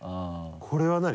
これは何？